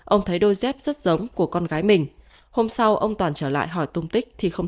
ông thấy đôi dép rất giống của con gái mình hôm sau ông toàn trở lại hỏi tung tích thì không